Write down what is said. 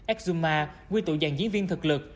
exuma nguyên tụ dàn diễn viên thực lực